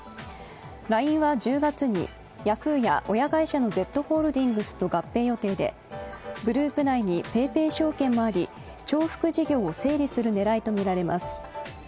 ＬＩＮＥは１０月にヤフーや親会社のＺホールディングスと合併予定でグループ内にＰａｙＰａｙ証券もあり重複事業を整理する狙いとみられます。